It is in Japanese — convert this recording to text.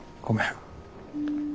ごめん。